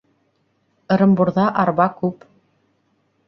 Ырымбурҙа арба күп